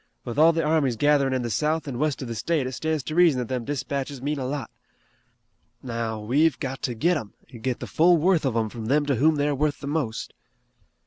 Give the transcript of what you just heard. With all the armies gatherin' in the south an' west of the state it stands to reason that them dispatches mean a lot. Now, we've got to get 'em an' get the full worth of 'em from them to whom they're worth the most."